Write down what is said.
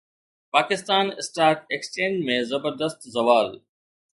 Pakistan stock exchange ۾ زبردست زوال